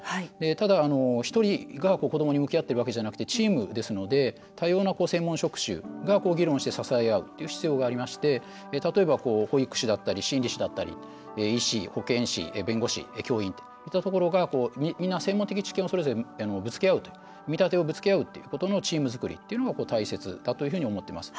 ただ、１人が子どもに向き合っているわけじゃなくてチームですので多様な専門職種が議論して支え合うという必要がありまして例えば、保育士だったり心理士だったり、医師、保健師弁護士、教員といったところがみんな、専門的知見をそれぞれぶつけ合うという見立てをぶつけ合うということのチーム作りというのが大切だというふうに思っています。